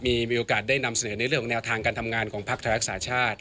มีโอกาสได้นำเสนอในเรื่องของแนวทางการทำงานของภักดิ์ไทยรักษาชาติ